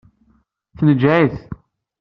Tneǧǧeɛ-it.